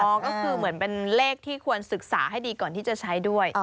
ก็คือเหมือนเป็นเลขที่ควรศึกษาให้ดีก่อนที่จะใช้ด้วย